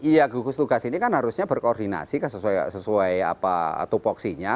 iya gugus tugas ini kan harusnya berkoordinasi sesuai tupoksinya